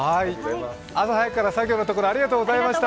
朝早くから作業をありがとうございました。